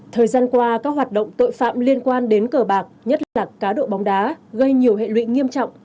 thời gian qua các hoạt động tội phạm liên quan đến cờ bạc nhất là cá độ bóng đá gây nhiều hệ lụy nghiêm trọng